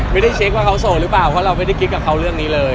ไม่ได้เช็คว่าเขาโสดหรือเปล่าเพราะเราไม่ได้คิดกับเขาเรื่องนี้เลย